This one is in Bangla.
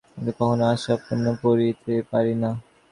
আমরা সর্বদাই এইরূপ আশা করি, কিন্তু কখনও আশা পূর্ণ করিতে পারি না।